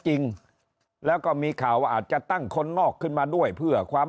จริงแล้วก็มีข่าวว่าอาจจะตั้งคนนอกขึ้นมาด้วยเพื่อความ